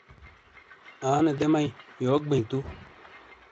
آنے دے مئی، یوک بئیں توُ؟